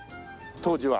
当時は。